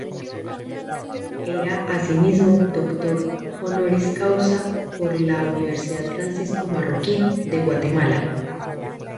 Era, así mismo, Doctor honoris causa por la Universidad Francisco Marroquín, de Guatemala.